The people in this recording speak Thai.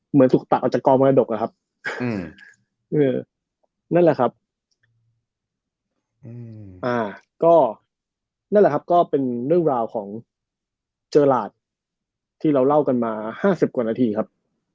เหมือนสุขภักดิ์อาจารย์กองมหาดกนะครับ